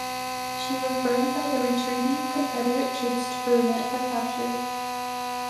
She was burned by the retreating Confederate troops to prevent her capture.